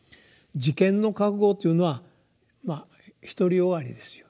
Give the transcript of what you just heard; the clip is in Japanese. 「自見の覚悟」というのはまあ独り善がりですよ。